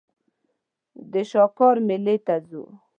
د شاکار مېلې ته ځم.